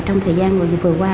trong thời gian vừa qua